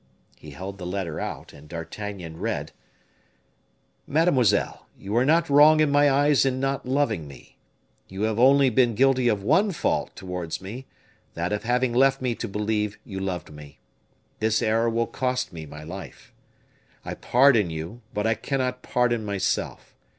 He held the letter out, and D'Artagnan read: "MADEMOISELLE, You are not wrong in my eyes in not loving me. You have only been guilty of one fault towards me, that of having left me to believe you loved me. This error will cost me my life. I pardon you, but I cannot pardon myself.